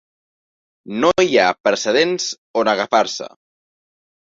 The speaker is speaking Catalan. No hi ha precedents on agafar-se.